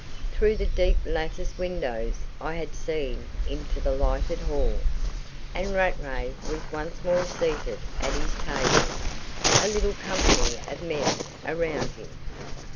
Through the deep lattice windows I had seen into the lighted hall. And Rattray was once more seated at his table, a little company of men around him.